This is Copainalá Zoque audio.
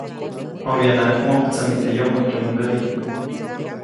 ʼObyanaʼak mojktsämi teʼ yomoʼ tyumgäʼyi.